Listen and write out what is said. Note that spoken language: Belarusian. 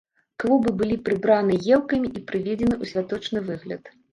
Клубы былі прыбраны елкамі і прыведзены ў святочны выгляд.